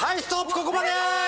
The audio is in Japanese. ここまで！